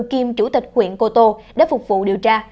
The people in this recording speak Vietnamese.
kiêm chủ tịch huyện cô tô để phục vụ điều tra